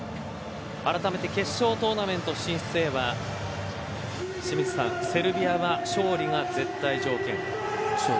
あらためて決勝トーナメント進出へは清水さん、セルビアは勝利が絶対条件。